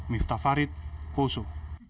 miftah farid koso